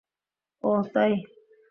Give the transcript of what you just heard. ওহ, তাই।